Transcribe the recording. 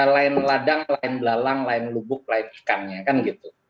lain ladang lain belalang lain lubuk lain ikannya kan gitu